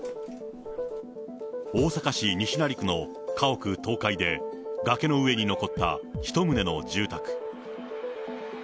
大阪市西成区の家屋倒壊で、崖の上に残った１棟の住宅。